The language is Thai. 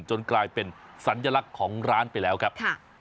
กลายเป็นสัญลักษณ์ของร้านไปแล้วครับ